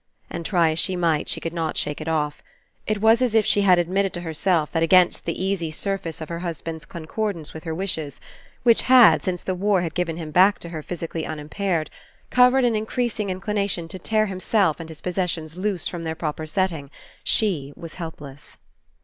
And, try as she might, she could not shake it off. It was as if she had admitted to herself that against that easy surface of her husband's concordance with her wishes, which had, since the war had given him back to her 112 RE ENCOUNTER physically unimpaired, covered an Increasing Inclination to tear himself and his possessions loose from their proper setting, she was help less.